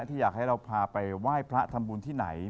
ที่อยากให้เราพาไปไหว้พระทำบุญที่ไหน